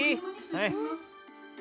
はい。